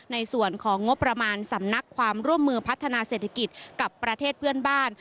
ในส่วนของงบประมาณสำนักความร่วมมือพัฒนาเศรษฐกิจกับประเทศเพื่อนบ้าน